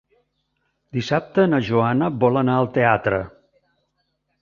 Dissabte na Joana vol anar al teatre.